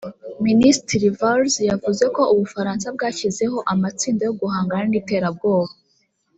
Minisitiri Valls yavuze ko u Bufaransa bwashyizeho amatsinda yo guhangana n’iterabwoba